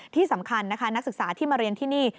ที่สำคัญนะคะนักศึกษาที่มาเรียนที่นี่